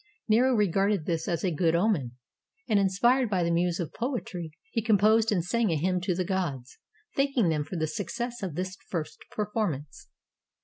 Nero regarded this as a good omen, and, inspired by the muse of poetry, he composed and sang a hymn to the gods, thanking them for the success of this first performance.